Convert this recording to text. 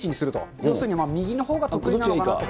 要するに右のほうが得意なのかなとか。